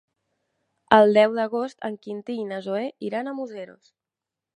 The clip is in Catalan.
El deu d'agost en Quintí i na Zoè iran a Museros.